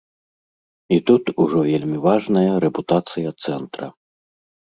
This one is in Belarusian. І тут ужо вельмі важная рэпутацыя цэнтра.